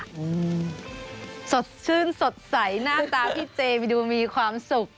เออสดชื่นสดใสหน้ากล้าพี่เจย์ดูมีความสุข